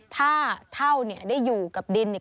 ถ้าเท่าเนี่ยได้อยู่กับดินเนี่ย